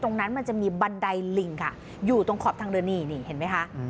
มันจะมีบันไดลิงค่ะอยู่ตรงขอบทางเดินนี่นี่เห็นไหมคะ